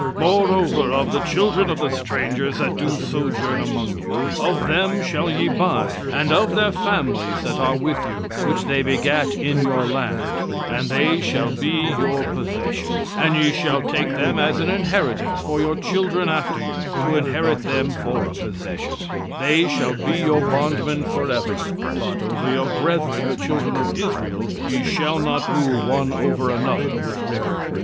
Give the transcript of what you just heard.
"Moreover, of the children of the strangers that do sojourn among you, of them shall ye buy, and of their families that are with you, which they begat in your land; and they shall be your possession. "And ye shall take them as an inheritance for your children after you, to inherit them for a possession; they shall be your bondmen forever; but over your brethren the children of Israel, ye shall not rule one over another with rigor."